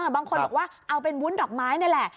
บางคนบอกว่าเอาเป็นวุ้นดอกไม้นี่แหละ